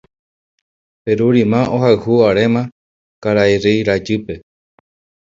Perurima ohayhu aréma karai rey rajýpe.